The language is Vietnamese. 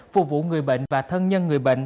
phục vụ người bệnh và thân nhân người bệnh